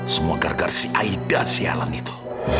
semoga gar gar si aida sialan itu